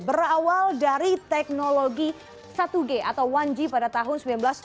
berawal dari teknologi satu g atau satu g pada tahun seribu sembilan ratus tujuh puluh